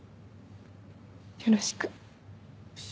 よろしく。